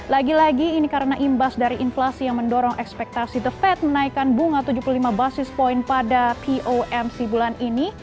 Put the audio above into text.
lagi lagi ini karena imbas dari inflasi yang mendorong ekspektasi the fed menaikkan bunga tujuh puluh lima basis point pada pomc bulan ini